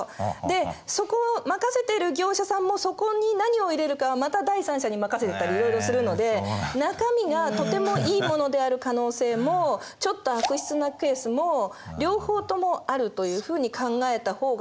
でそこを任せてる業者さんもそこに何を入れるかはまた第三者に任せてたりいろいろするので中身がとてもいいものである可能性もちょっと悪質なケースも両方ともあるというふうに考えたほうがいいかな。